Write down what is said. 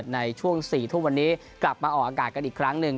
ในช่วง๔ทุ่มวันนี้กลับมาออกอากาศกันอีกครั้งหนึ่ง